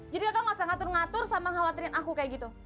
jadi kakak gak usah ngatur ngatur sama khawatirin aku kayak gitu